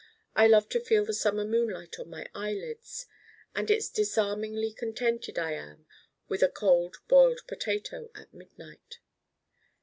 I love to feel the summer moonlight on my eyelids. And it's disarmingly contented I am with a Cold Boiled Potato at midnight.